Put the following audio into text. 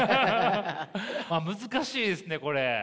難しいですねこれ。